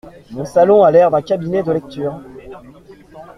Mon salon a l’air d’un cabinet de lecture.